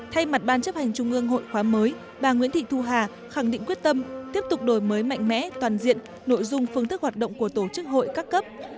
thay mặt ban chấp hành trung ương hội khóa mới bà nguyễn thị thu hà khẳng định quyết tâm tiếp tục đổi mới mạnh mẽ toàn diện nội dung phương thức hoạt động của tổ chức hội các cấp